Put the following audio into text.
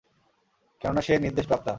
কেননা সে নির্দেশ প্রাপ্তা।